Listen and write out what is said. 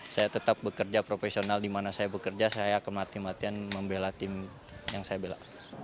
saya tetap bekerja profesional di mana saya bekerja saya akan mati matian membela tim yang saya bela